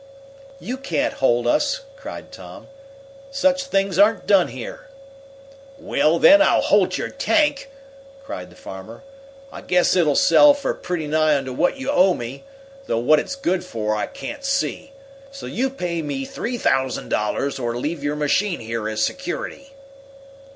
"You can't hold us!" cried Tom. "Such things aren't done here!" "Well, then, I'll hold your tank!" cried the farmer. "I guess it'll sell for pretty nigh onto what you owe me, though what it's good for I can't see. So you pay me three thousand dollars or leave your machine here as security."